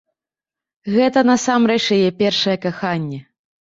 Гэта насамрэч яе першае каханне.